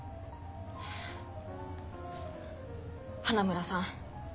花村さん。